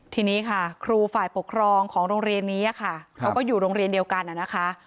ทีนี้ค่ะครูฝ่ายปกครองของโรงเรียนนี้ค่ะเขาก็อยู่โรงเรียนเดียวกันนะคะ